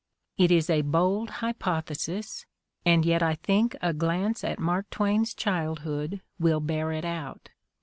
It is a bold hypothesis, and yet I think a glance at Mark Twain's childhood will bear it out.